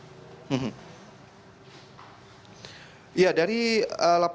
apakah masih ada laporan hilang begitu dari para korban selamat terkait dengan keluarga mereka yang masih belum ditemukan